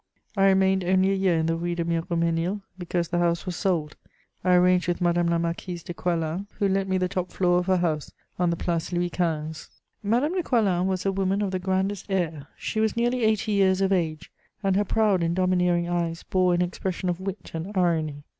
I remained only a year in the Rue de Miromesnil, because the house was sold. I arranged with Madame la Marquise de Coislin, who let me the top floor of her house on the Place Louis XV. * [Sidenote: The Marquise de Coislin.] Madame de Coislin was a woman of the grandest air. She was nearly eighty years of age, and her proud and domineering eyes bore an expression of wit and irony.